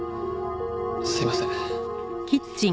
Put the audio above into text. すいません。